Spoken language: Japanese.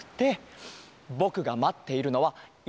ぼくがまっているのはいきものさ。